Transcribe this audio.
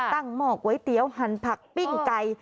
ตั้งหมอกไว้เตี๋ยวหั่นผักปิ้งไก่